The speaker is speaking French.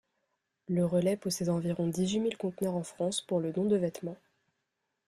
Le Relais possède environ dix-huit mille conteneurs en France pour le don de vêtement.